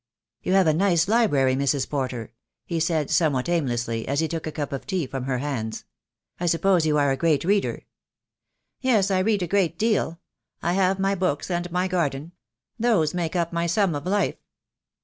"You have a nice library, Mrs. Porter," he said, some what aimlessly, as he took a cup of tea from her hands. "I suppose you are a great reader?" "Yes, I read a great deal. I have my books and my garden. Those make up my sum of life."